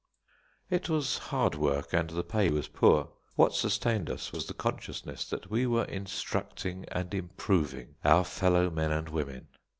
It was hard work, and the pay was poor, what sustained us was the consciousness that we were instructing and improving our fellow men and women.